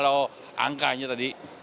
oh angkanya tadi